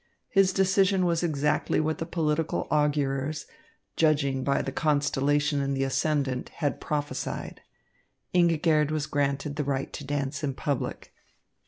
His decision was exactly what the political augurers, judging by the constellation in the ascendant, had prophesied. Ingigerd was granted the right to dance in public.